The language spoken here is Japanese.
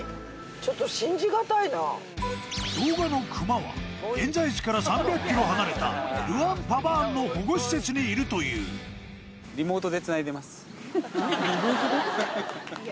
動画の熊は現在地から３００ｋｍ離れたルアンパバーンの保護施設にいるというリモートで？